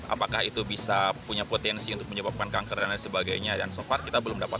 apakah itu bisa punya potensi untuk menyebabkan kanker dan lain sebagainya dan so far kita belum dapat